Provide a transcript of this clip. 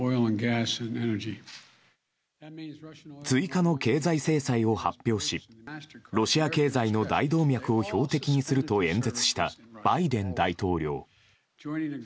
追加の経済制裁を発表しロシア経済の大動脈を標的にすると演説したバイデン大統領。